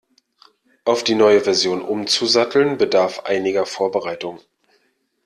Auf die neue Version umzusatteln, bedarf einiger Vorbereitung.